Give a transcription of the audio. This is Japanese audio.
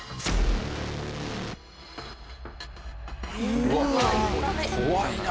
うわっ怖いな！